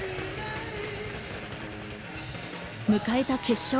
迎えた決勝。